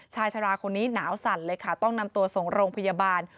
ชายชะลาคนนี้หนาวสั่นเลยค่ะต้องนำตัวส่งโรงพยาบาล